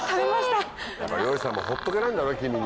漁師さんも放っとけないんだろ君に。